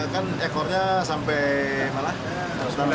berapa terkatanya pak